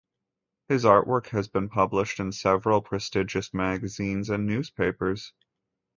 His artwork has been published in several prestigious magazines and newspapers.